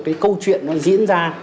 cái câu chuyện nó diễn ra